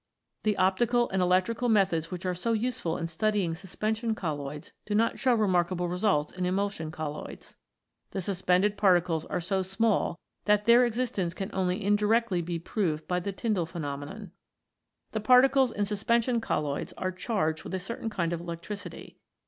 The optical and electrical methods which are so useful in study ing suspension colloids do not show remarkable results in emulsion colloids. The suspended particles are so small that their existence can only indirectly be proved by the Tyndall phenomenon. The particles in suspension colloids are charged with a certain kind of electricity.